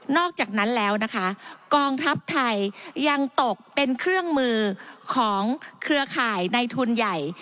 อกจากนั้นแล้วนะคะกองทัพไทยยังตกเป็นเครื่องมือของเครือข่ายในทุนใหญ่